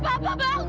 tapi allah anjing